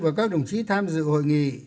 và các đồng chí tham dự hội nghị